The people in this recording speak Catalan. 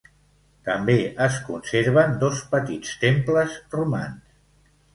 També es conserven dos petits temples romans.